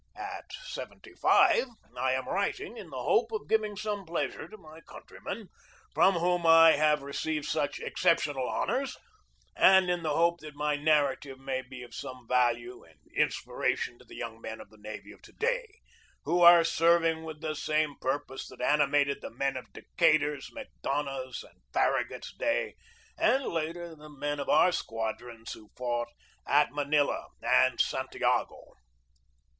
At seventy five I am writing in the hope of giving some pleasure to my countrymen, from whom I have received such exceptional honors, and in the hope that my narrative may be of some value and inspiration to the young men of the navy of to day, who are serving with the same purpose that animated the men of Decatur's, Macdonough's, and Farragut's day, and later, the men of our squadrons which fought at Manila and Santiago.